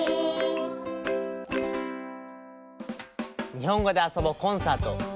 「にほんごであそぼコンサートｉｎ鹿児島」